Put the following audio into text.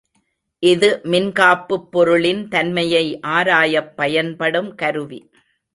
இது மின்காப்புப் பொருளின் தன்மையை ஆராயப் பயன்படும் கருவி.